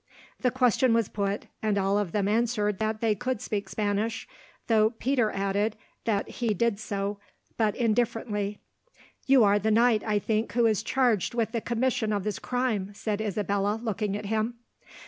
The question was put, and all of them answered that they could speak Spanish, though Peter added that he did so but indifferently. "You are the knight, I think, who is charged with the commission of this crime," said Isabella, looking at him.